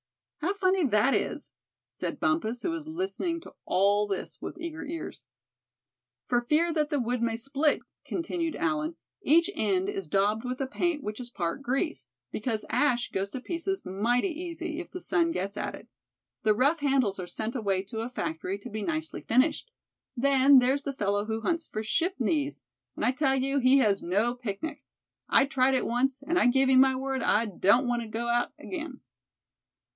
"How funny that is," said Bumpus, who was listening to all this with eager ears. "For fear that the wood may split," continued Allan, "each end is daubed with a paint which is part grease; because ash goes to pieces mighty easy, if the sun gets at it. The rough handles are sent away to a factory to be nicely finished. Then there's the fellow who hunts for ship knees; and I tell you he has no picnic. I tried it once, and I give you my word I don't want to go out again."